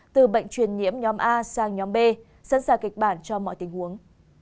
từ bệnh truyền nhiễm nhóm a sang nhóm b sẵn sàng kịch bản cho mọi tình huống